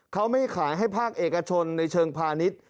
เขาไม่ขายให้ภาคเอกชนในเชิงพาณิชย์